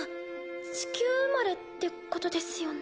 地球生まれってことですよね？